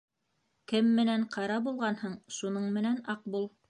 Кем менән ҡара булғанһың, шуның менән аҡ бул.